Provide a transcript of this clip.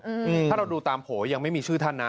อืมถ้าเราดูตามโผล่ยังไม่มีชื่อท่านนะ